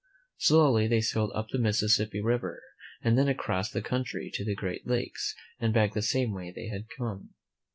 Slowly they sailed up the Mississippi River, and then across the country to the Great Lakes, and back the same way they had come.